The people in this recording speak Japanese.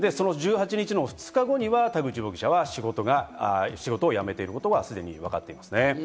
１８日の２日後には田口容疑者は仕事を辞めていることがすでにわかっていますね。